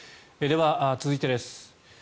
では、続いてです。